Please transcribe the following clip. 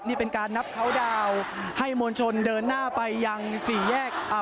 นี่เป็นการนับเคาน์ดาวน์ให้มวลชนเดินหน้าไปยังสี่แยกอ่า